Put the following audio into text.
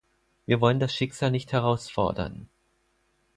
Wir wollen das Schicksal nicht herausfordern.